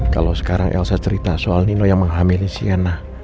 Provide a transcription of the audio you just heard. kalau sekarang elsa cerita soal nino yang menghamil sienna